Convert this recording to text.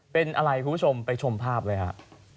เป็นอะไรคุณผู้ชมไปชมภาพเลยฮะ